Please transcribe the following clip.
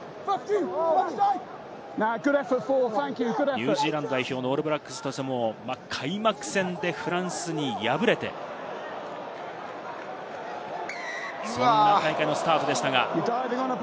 ニュージーランド代表のオールブラックスとしても開幕戦でフランスに敗れて、そんな大会のスタートでした。